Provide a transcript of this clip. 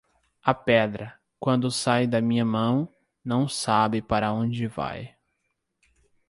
A pedra, quando sai da minha mão, não sabe para onde vai.